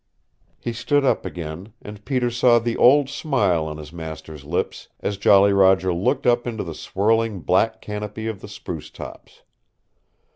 He stood up again, and Peter saw the old smile on his master's lips as Jolly Roger looked up into the swirling black canopy of the spruce tops.